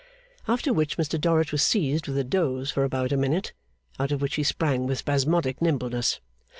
After which Mr Dorrit was seized with a doze for about a minute, out of which he sprang with spasmodic nimbleness.